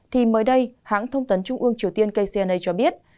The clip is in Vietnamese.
thì mới đây hãng thông tấn trung ương triều tiên kcna cho biết